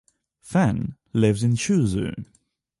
Fan lives in Suzhou.